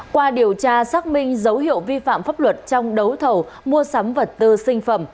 qua điều tra xác minh dấu hiệu vi phạm pháp luật trong đấu thầu mua sắm vật tư sinh phẩm